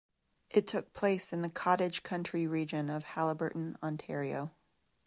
It took place in the cottage country region of Haliburton, Ontario.